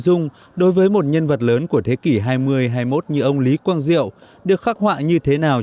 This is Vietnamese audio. dung đối với một nhân vật lớn của thế kỷ hai mươi hai mươi một như ông lý quang diệu được khắc họa như thế nào